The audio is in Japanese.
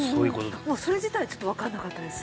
もうそれ自体ちょっと分かんなかったです